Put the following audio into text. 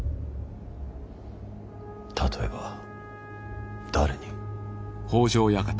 例えば誰に。